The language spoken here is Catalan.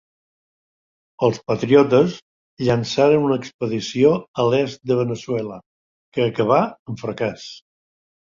Els patriotes llançaren una expedició a l'est de Veneçuela que acabà en fracàs.